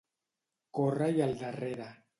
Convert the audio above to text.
Córrer-hi al darrere.